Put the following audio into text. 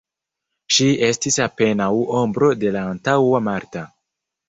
Ŝi estis apenaŭ ombro de la antaŭa Marta.